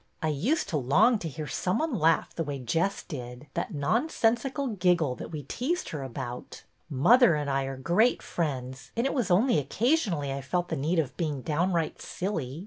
I used to long to hear some one laugh the way Jess did, that nonsensical giggle, that we teased her about. Mother and I are great friends and it was only occasionally I felt the need of being down right silly.